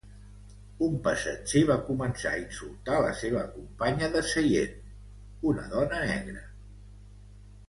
Un passatger va començar a insultar la seva companya de seient, una dona negra.